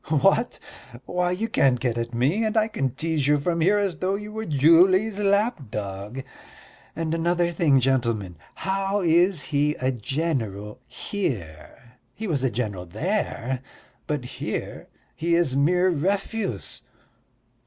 "What? Why, you can't get at me, and I can tease you from here as though you were Julie's lapdog. And another thing, gentlemen, how is he a general here? He was a general there, but here is mere refuse."